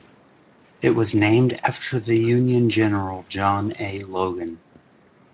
It was named after the Union General John A. Logan.